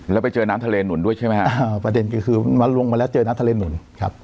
แล้วไปเจอน้ำทะเลหนุนด้วยใช่ไหมฮะอ่าประเด็นก็คือมันลงมาแล้วเจอน้ำทะเลหนุนครับ